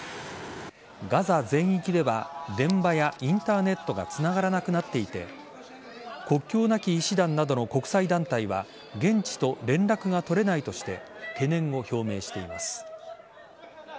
ガザ全域では電話やインターネットがつながらなくなっていて国境なき医師団などの国際団体は現地と連絡が取れないとして懸念を表明しています。